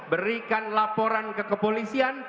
berikan laporan ke kepolisian